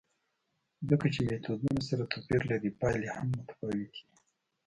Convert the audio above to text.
ځکه چې میتودونه سره توپیر لري، پایلې هم متفاوتې دي.